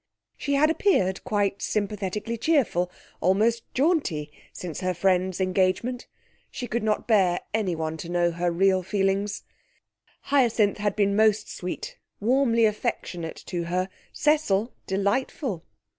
She had appeared quite sympathetically cheerful, almost jaunty, since her friend's engagement. She could not bear anyone to know her real feelings. Hyacinth had been most sweet, warmly affectionate to her; Cecil delightful.